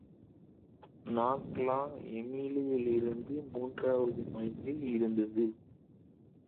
நாக்லாங் எமிலியிலிருந்து மூன்றாவது மைலில் இருந்தது.